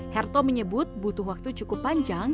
herto menyebut butuh waktu cukup panjang